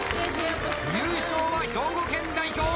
優勝は兵庫県代表！